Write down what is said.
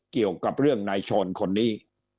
เกี่ยวกับเรื่องนายชนคนนี้